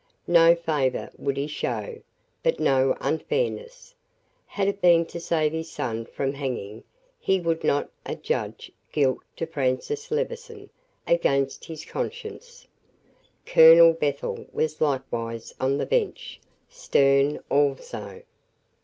No favor would he show, but no unfairness. Had it been to save his son from hanging, he would not adjudge guilt to Francis Levison against his conscience. Colonel Bethel was likewise on the bench, stern also.